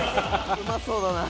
うまそうだな。